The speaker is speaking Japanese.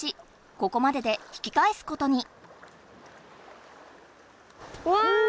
ここまでで引きかえすことに。わ！